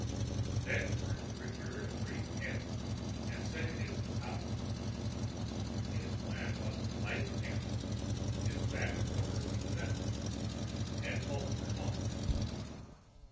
Then the Colonel procured a brief candle and set it into the powder. His plan was to light the candle, dispatch a porter with the message, and bolt for home.